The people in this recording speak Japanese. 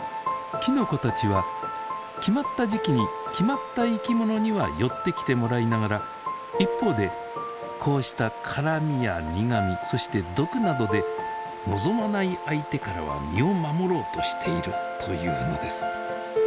きのこたちは決まった時期に決まった生きものには寄ってきてもらいながら一方でこうしたからみや苦みそして毒などで望まない相手からは身を守ろうとしているというのです。